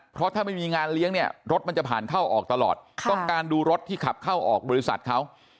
เพราะถ้าไม่มีงานเลี้ยงเนี่ยรถมันจะผ่านเข้าออกตลอดต้องการดูรถที่ขับเข้าออกบริษัทเขา